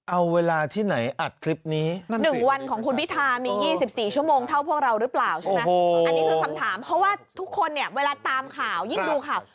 มองเท่าพวกเรารึเปล่าอันนี้คือคำถามเพราะว่าทุกคนเวลาตามข่าวยิ่งดูข่าว